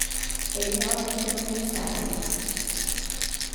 Ele realmente era um rei sábio.